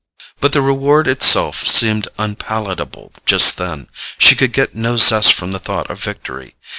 But the reward itself seemed unpalatable just then: she could get no zest from the thought of victory.